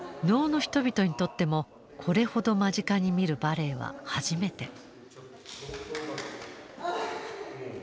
能の人々にとってもこれほど間近に見るバレエは初めて。